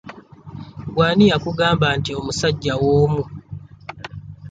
Gwe ani yakugamba nti omusajja w'omu?